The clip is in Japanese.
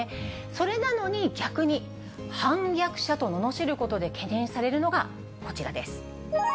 それなのに、逆に反逆者とののしることで懸念されるのがこちらです。